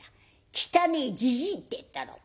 『汚えじじい』って言ったろ。